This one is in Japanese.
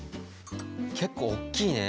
結構おっきいね。